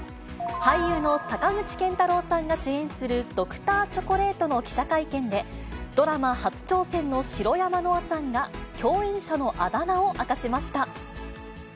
俳優の坂口健太郎さんが主演するＤｒ．チョコレートの記者会見で、ドラマ初挑戦の白山乃愛さんが、共演者のあだ名を明かしました。